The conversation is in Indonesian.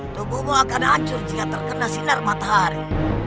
tubuhmu akan hancur jika terkena sinar matahari